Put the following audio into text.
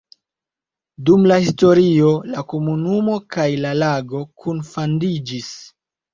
Dum la historio la komunumo kaj la lago kunfandiĝis.